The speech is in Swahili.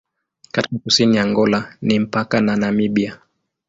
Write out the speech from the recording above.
Katika kusini ya Angola ni mpaka na Namibia.